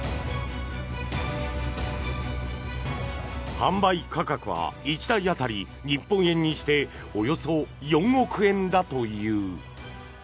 販売価格は１台当たり日本円にしておよそ４億円だという。